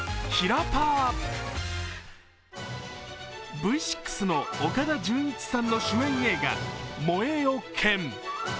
Ｖ６の岡田准一さんの主演映画「燃えよ剣」。